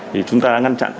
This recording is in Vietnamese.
thì chúng ta đã ngăn chặn